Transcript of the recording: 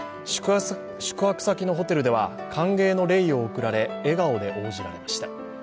宿泊先のホテルでは、歓迎のレイを贈られ、笑顔で応じられました。